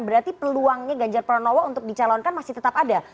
berarti peluangnya ganjar pranowo untuk dicalonkan masih tetap ada